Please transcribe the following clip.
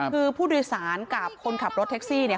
คือผู้โดยสารกับคนขับรถแท็กซี่เนี่ย